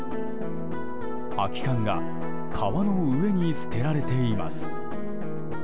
空き缶が川の上に捨てられています。